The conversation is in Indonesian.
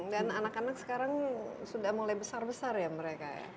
dan anak anak sekarang sudah mulai besar besar ya mereka